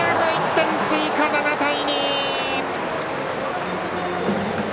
１点追加、７対２！